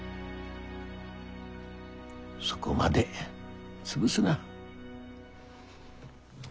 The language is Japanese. そごまで潰すな。